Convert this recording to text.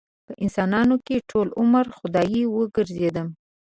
په انسانانو کې ټول عمر خدايه وګرځېدم